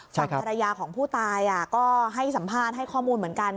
ฝั่งภรรยาของผู้ตายก็ให้สัมภาษณ์ให้ข้อมูลเหมือนกัน